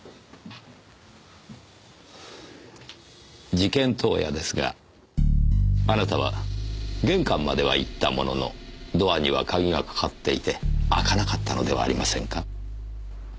事件当夜ですがあなたは玄関までは行ったもののドアには鍵が掛かっていて開かなかったのではありませんか？